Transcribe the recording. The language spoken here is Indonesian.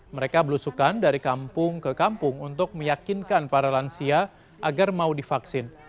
mereka belusukan dari kampung ke kampung untuk meyakinkan para lansia agar mau divaksin